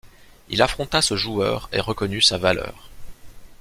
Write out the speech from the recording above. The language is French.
Il affronta ce joueur et reconnut sa valeur.